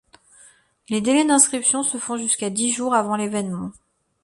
Les délais d’inscription se font jusqu’à dix jours avant l’événement.